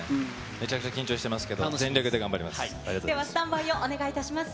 めちゃくちゃ緊張してますけど、全力で頑張ります。